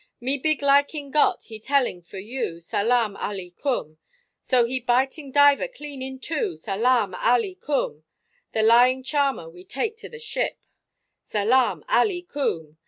Me big liking got, he telling, for you, Salaam, Alii kum! So he biting diver clean in two, Salaam, Alii kum! The lying charmer we take to the ship, Salaam, Alii kum!